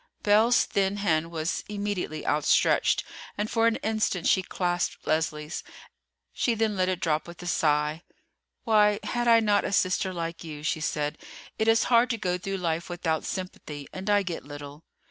Belle's thin hand was immediately outstretched, and for an instant she clasped Leslie's—she then let it drop with a sigh. "Why had I not a sister like you?" she said. "It is hard to go through life without sympathy, and I get little."